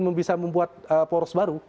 membuat poros baru